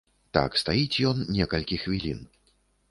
Так стаіць ён некалькі хвілін.